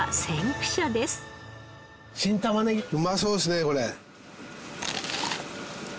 新玉ねぎうまそうですねこれ。